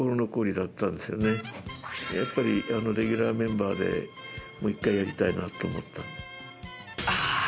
やっぱりあのレギュラーメンバーでもう一回やりたいなと思った。